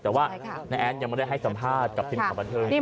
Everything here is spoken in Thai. แต่ว่าน้าแอดยังไม่ได้ให้สัมภาษณ์กับทีมข่าวบันเทิง